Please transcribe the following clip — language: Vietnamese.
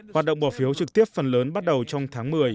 hoạt động bỏ phiếu trực tiếp phần lớn bắt đầu trong tháng một mươi